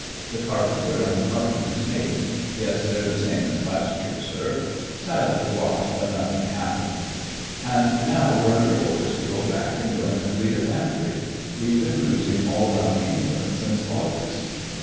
The carpenter and the carpenter's mate ('Yes, they're the same as last year, sir') sat up to watch, but nothing happened. 'An' now we're under orders to go back and join the Fleet at Bantry. We've been cruising all round England since August.